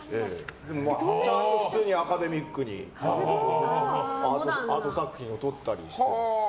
普通にアカデミックにアート作品を撮ったりして。